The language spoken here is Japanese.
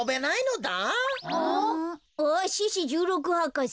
あ獅子じゅうろく博士。